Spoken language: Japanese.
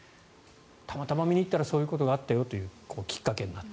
たまたま見に行ったらそういうことがあったよというきっかけがあった。